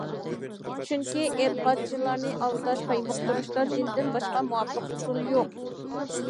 چۈنكى ئېتىقادچىلارنى ئالداش، قايمۇقتۇرۇشتا دىندىن باشقا مۇۋاپىق ئۇسۇل يوق.